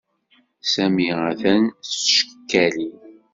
Sami atan s tcekkalin.